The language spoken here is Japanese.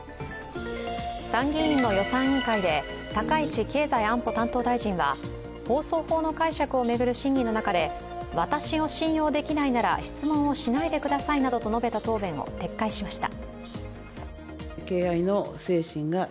参議院の予算委員会で高市経済安保担当大臣は放送法の解釈を巡る審議の中で私を信用できないなら質問をしないでくださいなどと述べた答弁を撤回しました。